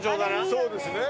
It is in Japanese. そうですね。